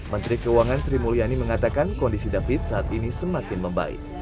menteri keuangan sri mulyani mengatakan kondisi david saat ini semakin membaik